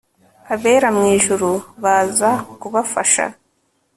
Abera mwijuru baza kubafasha